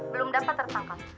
belum dapat tertangkap